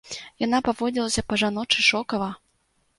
Яна паводзілася па-жаночы шокава.